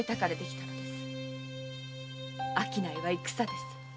商いは戦です。